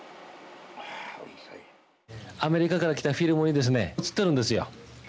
アメリカから来たフィルムにですね写ってるんですよ。